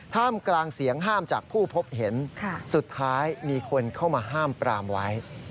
ท่ามกลางเสียงห้ามจากผู้พบเห็นสุดท้ายมีคนเข้ามาห้ามปรามไว้